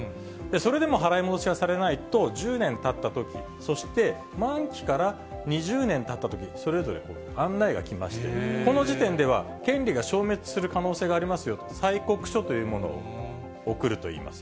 それでも払い戻しがされないと、１０年たったとき、そして、満期から２０年たったとき、それぞれ案内が来まして、この時点では、権利が消滅する可能性がありますよと、催告書というものを送るといいます。